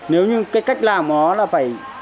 nếu như cái cách làm đó là phải